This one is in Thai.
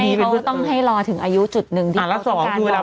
ไม่เขาต้องให้รอถึงอายุจุดหนึ่งที่เขาต้องการก่อนหรือเปล่า